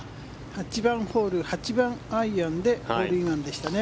８番ホール８番アイアンでホールインワンでしたね。